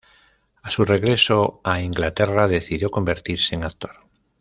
A su regreso a Inglaterra, decidió convertirse en actor.